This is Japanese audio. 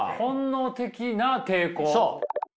そう。